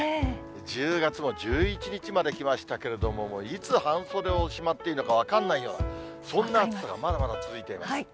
１０月も１１日まできましたけれども、いつ半袖をしまっていいのか分からないような、そんな暑さがまだまだ続いています。